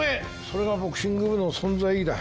それがボクシング部の存在意義だ。